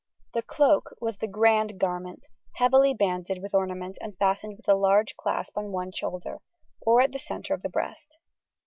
The cloak was the "grand garment," heavily banded with ornament and fastened with a large clasp on one shoulder, or at the centre of the breast.